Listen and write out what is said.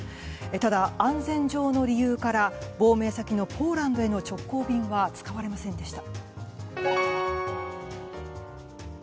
ただ、安全上の理由から亡命先のポーランドへの直行便は使われませんでした。